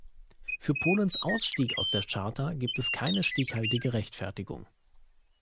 Für Polens Ausstieg aus der Charta gibt es keine stichhaltige Rechtfertigung.